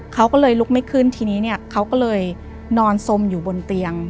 เขาก็เลยลุกไม่ขึ้นทีนี้เนี่ยเขาก็เลยนอนสมอยู่บนเตียง